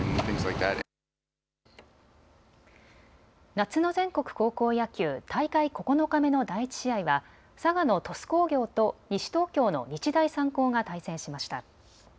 夏の全国高校野球、大会９日目の第１試合は佐賀の鳥栖工業と西東京の日大三高が対戦しました。